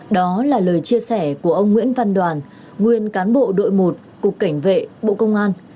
đó là lời chia sẻ của ông nguyễn văn đoàn nguyên cán bộ đội một cục cảnh vệ bộ công an